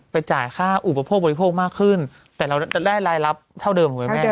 จ่ายค่าอุปโภคบริโภคมากขึ้นแต่เราจะได้รายรับเท่าเดิมคุณแม่